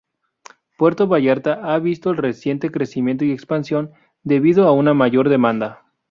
Puerto Vallarta ha visto el reciente crecimiento y expansión, debido a una mayor demanda.